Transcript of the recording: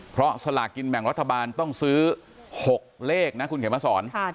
เพราะสลากกินแบ่งรัฐบาลต้องซื้อ๖เลขนะคุณเขียนมาสอน